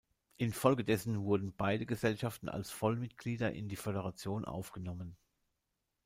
Infolgedessen wurden beide Gesellschaften als Vollmitglieder in die Föderation aufgenommen.